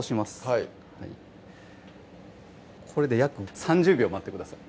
はいこれで約３０秒待ってください